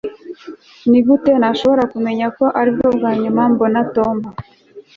nigute nashoboraga kumenya ko aribwo bwa nyuma mbona tom